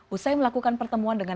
usai melakukan pertemuan dengan